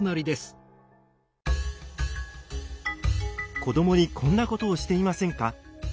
子どもにこんなことをしていませんか？